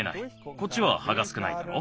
こっちははがすくないだろう？